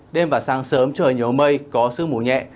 đêm và sáng sớm trời nhiều mây có sương mù nhẹ